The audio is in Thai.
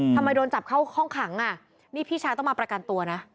โดนจับเข้าห้องขังอ่ะนี่พี่ชายต้องมาประกันตัวนะ